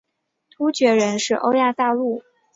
突厥人是欧亚大陆民族的主要成份之一。